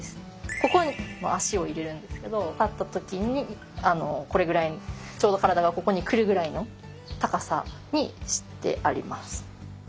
ここに脚を入れるんですけど立った時にこれぐらいにちょうど体がここに来るぐらいの高さにしてあります。